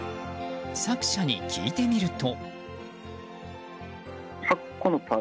作者に聞いてみると。